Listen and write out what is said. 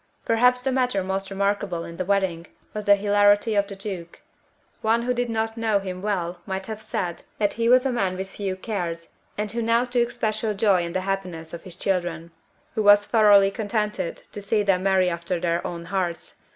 Perhaps the matter most remarkable in the wedding was the hilarity of the Duke. One who did not know him well might have said that he was a man with few cares, and who now took special joy in the happiness of his children, who was thoroughly contented to see them marry after their own hearts.